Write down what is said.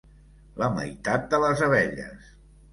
La meitat de les abelles.